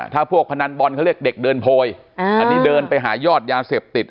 ถ้าพวกพนันบอลเขาเรียกเด็กเดินโพยอันนี้เดินไปหายอดยาเสพติด